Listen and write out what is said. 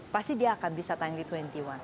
pasti dia akan bisa tanggung di dua puluh satu